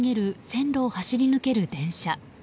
線路を走り抜ける電車。